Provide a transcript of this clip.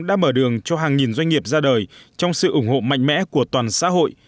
đã mở đường cho hàng nghìn doanh nghiệp ra đời trong sự ủng hộ mạnh mẽ của toàn xã hội